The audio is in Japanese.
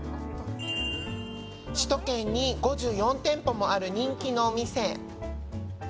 首都圏に５４店舗もある人気のお店。